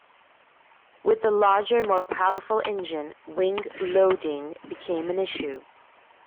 With the larger, more powerful engine, wing loading became an issue.